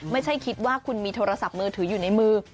ไม่ใช่คิดว่าคุณมีโทรศัพท์มือถืออยู่ในมือ